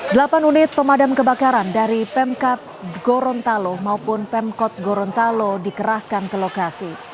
delapan unit pemadam kebakaran dari pemkap gorontalo maupun pemkot gorontalo dikerahkan ke lokasi